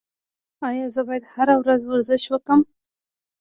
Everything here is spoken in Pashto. ایا زه باید هره ورځ ورزش وکړم؟